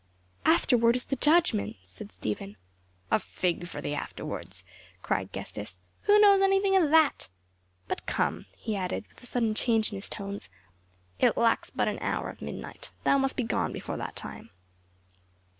"Afterward is the judgment," said Stephen. "A fig for the afterwards!" cried Gestas. "Who knows anything about that? But, come," he added with a sudden change in his tones, "it lacks but an hour of midnight; thou must be gone before that time."